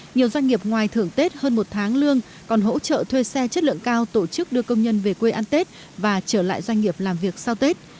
nhiều doanh nghiệp ngoài thưởng tết hơn một tháng lương còn hỗ trợ thuê xe chất lượng cao tổ chức đưa công nhân về quê ăn tết và trở lại doanh nghiệp làm việc sau tết